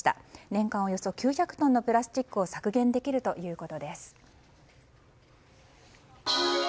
年間およそ９００トンのプラスチックを削減できるということです。